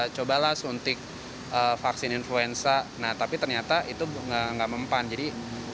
cobalah suntik vaksin influenza nah tapi ternyata itu enggak enggak mempan jadi